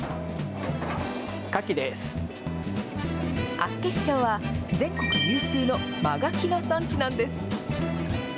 厚岸町は、全国有数の真ガキの産地なんです。